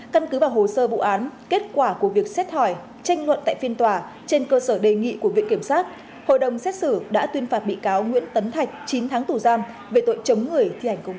căn cứ vào hồ sơ vụ án kết quả của việc xét hỏi tranh luận tại phiên tòa trên cơ sở đề nghị của viện kiểm sát hội đồng xét xử đã tuyên phạt bị cáo nguyễn tấn thạch chín tháng tù giam về tội chống người thi hành công vụ